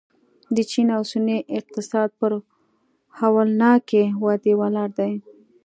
د چین اوسنی اقتصاد پر هولناکې ودې ولاړ دی.